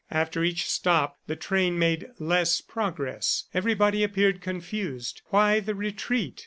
After each stop the train made less progress. Everybody appeared confused. Why the retreat?